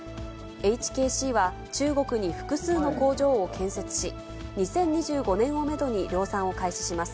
ＨＫＣは、中国に複数の工場を建設し、２０２５年をメドに量産を開始します。